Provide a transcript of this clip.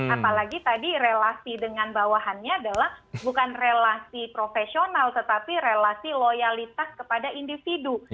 apalagi tadi relasi dengan bawahannya adalah bukan relasi profesional tetapi relasi loyalitas kepada individu